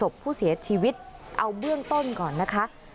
ศพผู้เสียชีวิตเอาเบื้องต้นก่อนนะคะ